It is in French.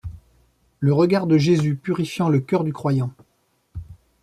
Le regard de Jésus purifiant le cœur du croyant.